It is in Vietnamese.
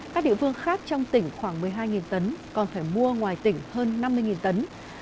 các địa phương khác trong tỉnh khoảng một mươi hai tấn còn phải mua ngoài tỉnh hơn năm mươi tấn